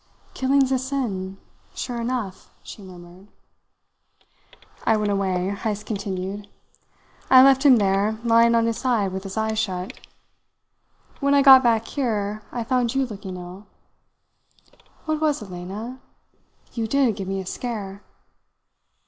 "Killing's a sin, sure enough," she murmured. "I went away," Heyst continued. "I left him there, lying on his side with his eyes shut. When I got back here, I found you looking ill. What was it, Lena? You did give me a scare!